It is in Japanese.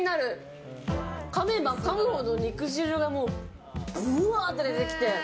かめばかむほど肉汁がブワーって出てきて。